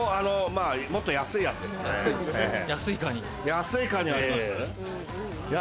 安いカニあります？